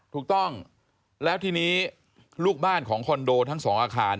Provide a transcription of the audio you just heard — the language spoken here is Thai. ถูกต้องแล้วทีนี้ลูกบ้านของคอนโดทั้งสองอาคาร